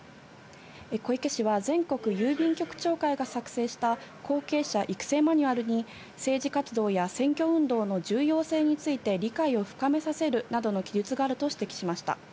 小池氏は、全国郵便局長会が作成した後継者育成マニュアルに、政治活動や選挙運動の重要性について理解を深めさせるなどの記述があると指摘しました。